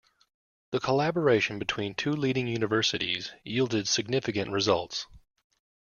The collaboration between two leading Universities yielded significant results.